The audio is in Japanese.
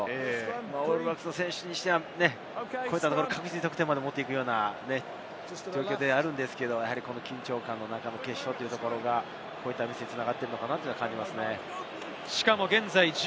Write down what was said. オールブラックスの選手にしては、こういったところを確実に得点まで持っていくような能力ではあるのですが、緊張感がこういったミスに繋がっているのかなと思います。